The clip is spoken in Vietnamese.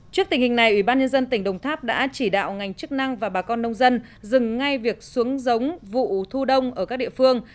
trước tình hình này ủy ban nhân dân tỉnh đồng tháp đã chỉ đạo ngành chức năng và bà con nông dân dừng ngay việc xuống giống vụ thu đông ở các địa phương